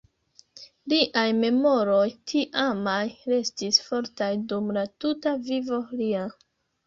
Liaj memoroj tiamaj restis fortaj dum la tuta vivo lia.